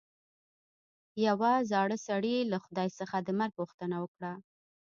یوه زاړه سړي له خدای څخه د مرګ غوښتنه وکړه.